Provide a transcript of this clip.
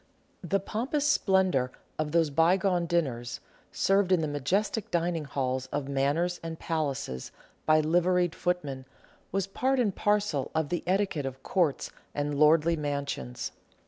The pompous splendour of those bygone dinners, served in the majestic dining halls of Manors and Palaces, by liveried footmen, was part and parcel of the etiquette of Courts and lordly mansions.